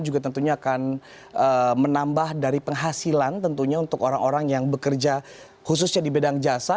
juga tentunya akan menambah dari penghasilan tentunya untuk orang orang yang bekerja khususnya di bidang jasa